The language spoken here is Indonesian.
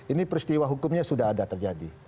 ini peristiwa hukumnya sudah ada terjadi